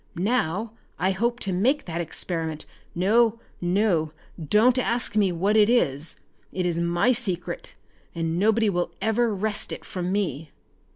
Now I hope to make that experiment. No! No! Don't ask me what it is. It is my secret and nobody will ever wrest it from me."